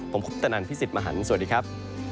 ผมคุปตนันพี่สิทธิ์มหันฯสวัสดีครับ